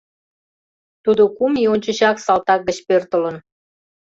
Тудо кум ий ончычак салтак гыч пӧртылын.